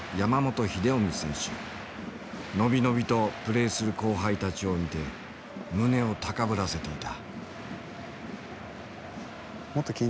伸び伸びとプレーする後輩たちを見て胸を高ぶらせていた。